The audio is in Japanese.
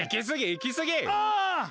行きすぎ！